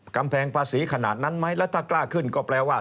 กำแพงภาษีขนาดนั้นไหมแล้วถ้ากล้าขึ้นก็แปลว่า